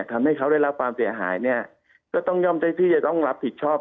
ทำให้เขาได้รับความเสียหายเนี่ยก็ต้องย่อมได้ที่จะต้องรับผิดชอบ